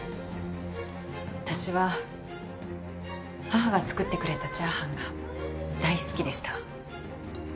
私は母が作ってくれたチャーハンが大好きでした。